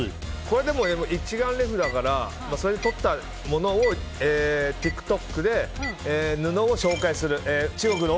一眼レフだから撮ったものをＴｉｋＴｏｋで布を紹介する。